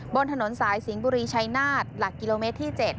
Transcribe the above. บนถนนสายสิงห์บุรีชัยนาศหลักกิโลเมตรที่๗